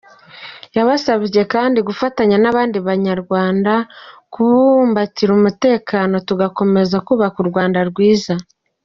Yabasabye kandi gufatanya n’abandi Banyarwanda kubumbatira umutekano tugakomeza kubaka u Rwanda rwiza.